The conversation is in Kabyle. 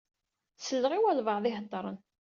Selleɣ i walebɛaḍ i iheddṛen.